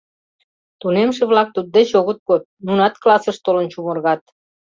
Тунемше-влак туддеч огыт код, нунат классыш толын чумыргат.